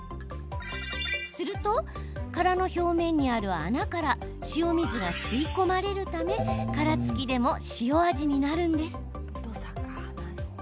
すると、殻の表面にある穴から塩水が吸い込まれるため殻付きでも塩味になるんです。